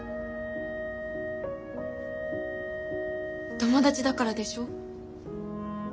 友達だからでしょ。